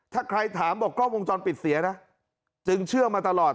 ถ้าใครถามบอกกล้องวงจรปิดเสียนะจึงเชื่อมาตลอด